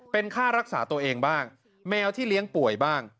เป็นค่ารักษาตัวเองบ้างแมวที่เลี้ยงป่วยบ้าง